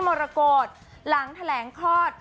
มรกฏหลังแถลงคลอด